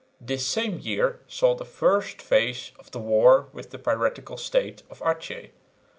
This same year saw the first phase of the war with the piratical state of Achin.